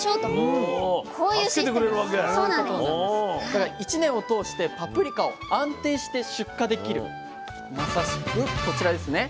だから１年を通してパプリカを安定して出荷できるまさしくこちらですね。